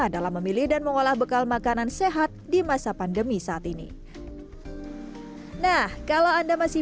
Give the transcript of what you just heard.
dalam memilih dan mengolah bekal makanan sehat di masa pandemi saat ini nah kalau anda masih